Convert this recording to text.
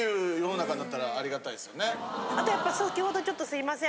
あとやっぱ先程ちょっとすいません